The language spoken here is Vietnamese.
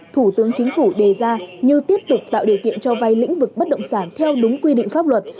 thủ tướng chính phủ đề ra như tiếp tục tạo điều kiện cho vay lĩnh vực bất động sản theo đúng quy định pháp luật